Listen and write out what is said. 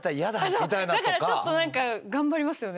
だからちょっと何か頑張りますよね